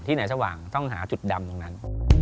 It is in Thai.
ไหนสว่างต้องหาจุดดำตรงนั้น